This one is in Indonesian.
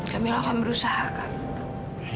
kak mila akan berusaha kak